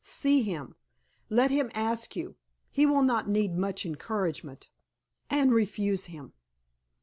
See him. Let him ask you he will not need much encouragement and refuse him.